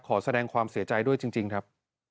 ขอแสดงความเสียใจด้วยจริงครับ